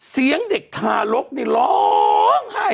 เสียงเด็กทารกนี่ร้องไห้